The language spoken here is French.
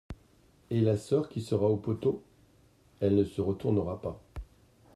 Et la soeur qui sera au poteau ? Elle ne se retournera pas.